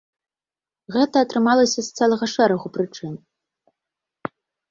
Гэта атрымалася з цэлага шэрагу прычын.